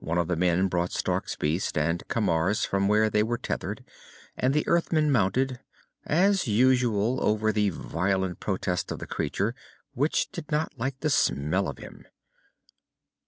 One of the men brought Stark's beast and Camar's from where they were tethered, and the Earthman mounted as usual, over the violent protest of the creature, which did not like the smell of him.